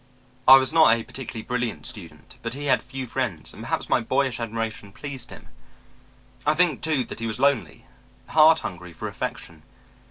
I was not a particularly brilliant student, but he had few friends and perhaps my boyish admiration pleased him. I think, too, that he was lonely, heart hungry for affection.